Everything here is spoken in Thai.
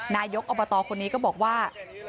นายกอบตคนนี้ก็บอกว่า